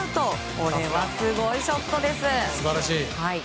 これはすごいショットです。